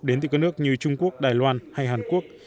đến từ các nước như trung quốc đài loan hay hàn quốc